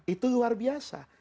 itu luar biasa